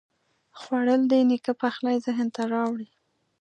خوړل د نیکه پخلی ذهن ته راوړي